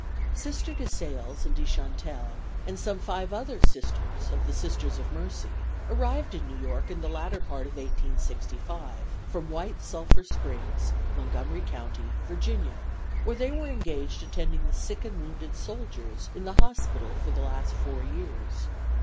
Sisters DeSales and DeChantel, and some five other Sisters of the Sisters of Mercy arrived in New York in the latter part of 1865 from White Sulphur Springs, Montgomery County, Virginia, where they were engaged attending the sick and wounded soldiers in the hospital for the last four years.